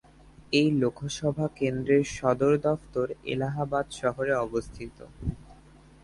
এই লোকসভা কেন্দ্রের সদর দফতর এলাহাবাদ শহরে অবস্থিত।